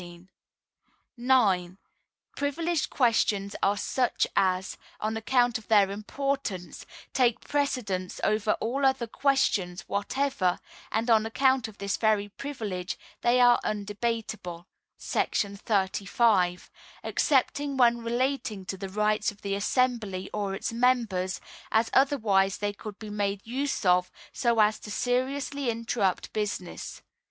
§ 18. 9. Privileged Questions are such as, on account of their importance, take precedence over all other questions whatever, and on account of this very privilege they are undebatable [§ 35], excepting when relating to the rights of the assembly or its members, as otherwise they could be made use of so as to seriously interrupt business.